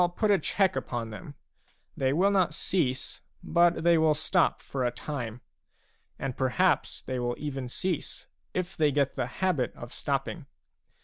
put a check upon them ; they will not cease, but they will stop for a time; and perhaps they will even cease, if they get the habit of stopping.